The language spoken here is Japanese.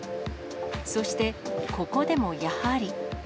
そして、ここでもやはり。